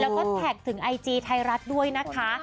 แล้วก็แทกถึงไอจีไทยรัฐด้วยนะคะข้อมูลมากมายบางทีครับ